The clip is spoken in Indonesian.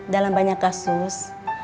dalam banyak kasus